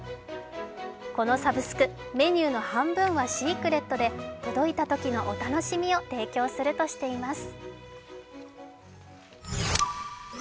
このサブスク、メニューの半分はシークレットで届いたときのお楽しみを提供するとしています。